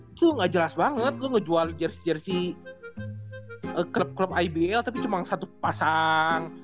itu gak jelas banget gue ngejual jersey jersey klub ibl tapi cuma satu pasang